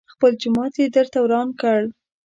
خپل جومات يې درته وران کړ.